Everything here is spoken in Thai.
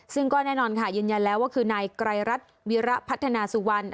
ซึ่งก็แน่นอนค่ะยืนยันแล้วว่าคือนายไกรรัฐวิระพัฒนาสุวรรณ